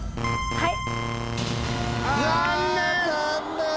はい。